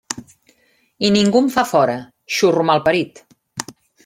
I ningú em fa fora, xurro malparit!